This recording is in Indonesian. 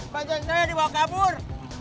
bajaj saya dibawa kabur